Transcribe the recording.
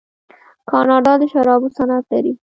کاناډا د شرابو صنعت لري.